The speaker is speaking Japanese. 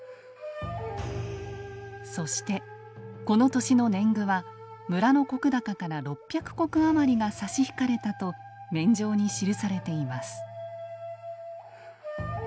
そしてこの年の年貢は村の石高から６００石余りが差し引かれたと免定に記されています。